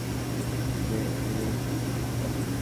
সে এর থেকেও বেশি কিছু করতে পারে!